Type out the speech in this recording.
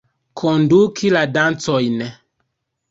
Konduki la dancojn.